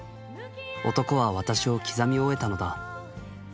男は私を刻み終えたのだ。